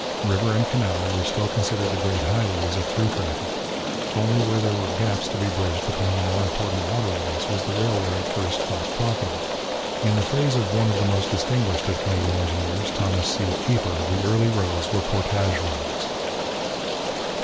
River and canal were still considered the great highways of through traffic. Only where there were gaps to be bridged between the more important waterways was the railway at first thought profitable. In the phrase of one of the most distinguished of Canadian engineers, Thomas C. Keefer, the early roads were portage roads.